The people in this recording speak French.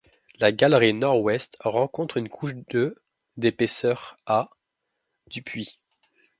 La galerie nord-ouest rencontre une couche de d'épaisseur à du puits.